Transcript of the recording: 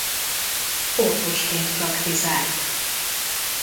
Orvosként praktizált.